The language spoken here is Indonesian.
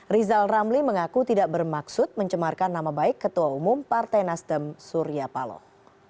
rizal ramli mengaku tidak bermaksud mencemarkan nama baik ketua umum partai nasdem surya paloh